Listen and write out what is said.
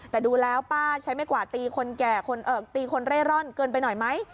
แต่ดูแล้วป้าใช้ไม่กว่าตีคนแก่ตีคนเร่ร่อนเกินไปหน่อยไหม